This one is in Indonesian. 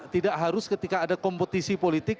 tidak harus ketika ada kompetisi politik